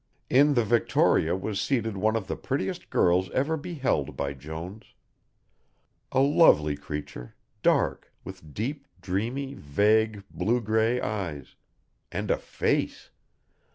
In the Victoria was seated one of the prettiest girls ever beheld by Jones. A lovely creature, dark, with deep, dreamy, vague blue grey eyes and a face!